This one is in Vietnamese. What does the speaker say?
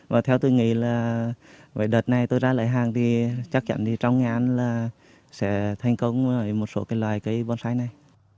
và theo tôi nghĩ là đợt này tôi ra lại hàng thì chắc chắn trong nghệ an sẽ thành công với một số loài cây bonsai này